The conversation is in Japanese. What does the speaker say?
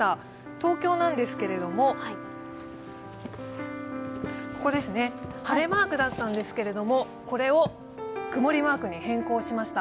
東京ですけれども、ここですね、晴れマークだったんですけれども、これを曇りマークに変更しました。